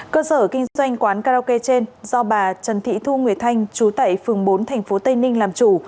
cơ sở kinh doanh quán karaoke trên do bà trần thị thu nguyệt thanh chú tẩy phường bốn thành phố tây ninh làm chủ